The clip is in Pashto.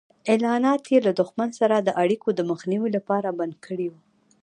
اعلانات یې له دښمن سره د اړیکو د مخنیوي لپاره بند کړي وو.